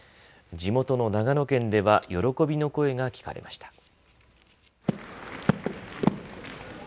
地元の長野県では喜びの声が聞かれました。